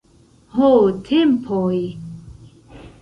Ho, tempoj!